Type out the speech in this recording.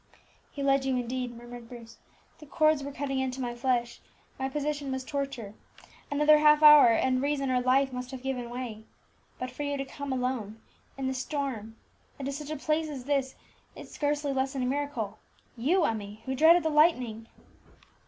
"He led you indeed," murmured Bruce. "The cords were cutting into my flesh, my position was torture; another half hour and reason or life must have given way. But for you to come alone, in the storm, and to such a place as this, is scarcely less than a miracle you, Emmie, who dreaded the lightning!"